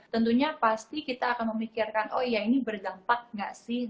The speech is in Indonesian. tentunya pasti kita akan memikirkan oh ya ini berdampak nggak sih